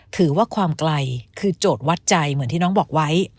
ถือว่าความไกลคือโจทย์วัดใจเหมือนที่น้องบอกไว้